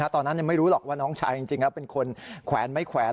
ตอนนั้นไม่รู้หรอกว่าน้องชายจริงแล้วเป็นคนแขวนไม่แขวน